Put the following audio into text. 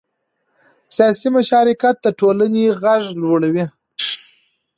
سیاسي مشارکت د ټولنې غږ لوړوي